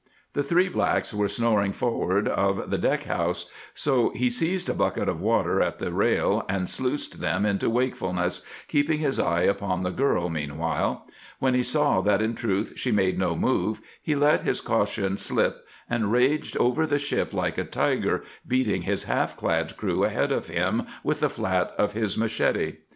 The three blacks were snoring forward of the deck house, so he seized a bucket of water at the rail and sluiced them into wakefulness, keeping his eye upon the girl meanwhile. When he saw that in truth she made no move he let his caution slip and raged over the ship like a tiger, beating his half clad crew ahead of him with the flat of his machete.